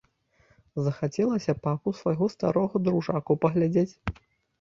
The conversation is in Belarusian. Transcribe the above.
Захацелася папу свайго старога дружаку паглядзець.